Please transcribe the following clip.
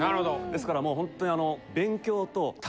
ですからもうほんとに。